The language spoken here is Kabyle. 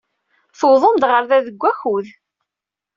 Tewwḍem-d ɣer da deg wakud.